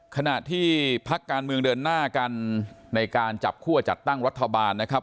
ขณะที่พักการเมืองเดินหน้ากันในการจับคั่วจัดตั้งรัฐบาลนะครับ